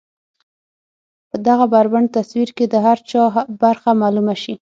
په دغه بربنډ تصوير کې د هر چا برخه معلومه شي.